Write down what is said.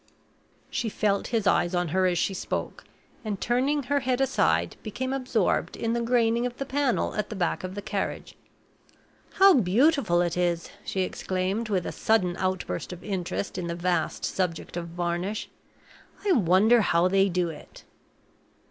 She felt his eyes on her as she spoke, and, turning her head aside, became absorbed in the graining of the panel at the back of the carriage. "How beautiful it is!" she exclaimed, with a sudden outburst of interest in the vast subject of varnish. "I wonder how they do it?"